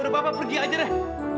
baru bapak pergi aja deh